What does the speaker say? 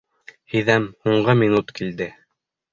Һиҙәм: һуңғы минут килде...